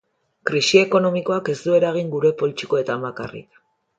Krisi ekonomikoak ez du eragin gure poltsikoetan bakarrik.